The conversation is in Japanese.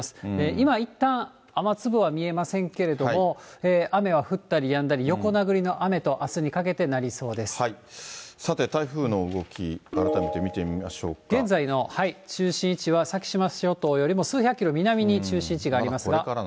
今、いったん雨粒は見えませんけども、雨は降ったりやんだり、横殴りの雨と、さて、台風の動き、現在の中心位置は、先島諸島よりも数百キロ南に中心位置がありますが。